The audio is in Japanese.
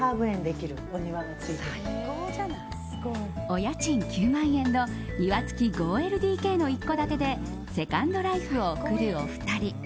お家賃９万円の庭付き５ＬＤＫの一戸建てでセカンドライフを送るお二人。